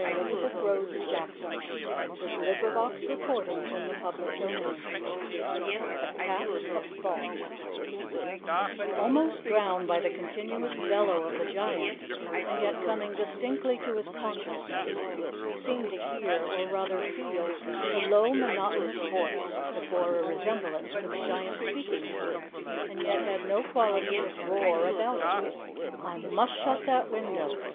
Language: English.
[Illustration: HE SAW THE GIANT PASS THE WINDOW AGAIN] CHAPTER XIII THE CAP OF THOUGHT Almost drowned by the continuous bellow of the Giant, and yet coming distinctly to his consciousness, he seemed to hear, or rather feel, a low monotonous voice that bore a resemblance to the Giant's speaking tone, and yet had no quality of roar about it: "I must shut that window.